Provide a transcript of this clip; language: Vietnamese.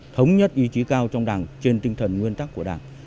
thống nhất ý chí cao trong đảng trên tinh thần nguyên tắc của đảng